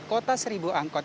kota seribu angkot